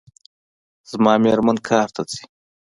زما میرمن کار ته ځي